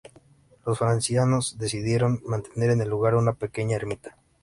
Los franciscanos decidieron mantener en el lugar una pequeña ermita.